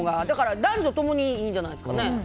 だから男女共にいいんじゃないですかね。